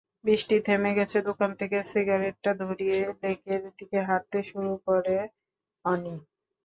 বৃষ্টি থেমে গেছে, দোকান থেকে সিগারেটটা ধরিয়ে লেকের দিকে হাঁটতে শুরু করে অনি।